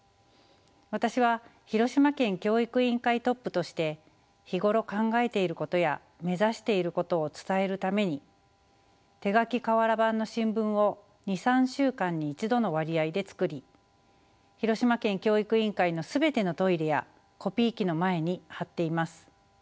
私は広島県教育委員会トップとして日頃考えていることや目指していることを伝えるために手書き瓦版の新聞を２３週間に１度の割合で作り広島県教育委員会の全てのトイレやコピー機の前に貼っています。